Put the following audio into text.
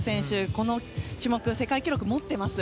この種目世界記録持ってます。